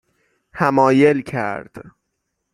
حمایل کرد